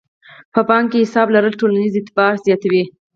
په بانک کې حساب لرل ټولنیز اعتبار زیاتوي.